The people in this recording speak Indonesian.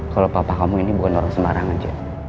kalau papa kamu ini bukan orang sembarangan c